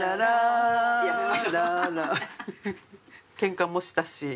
ケンカもしたし。